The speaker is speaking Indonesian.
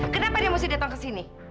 kenapa dia mesti datang kesini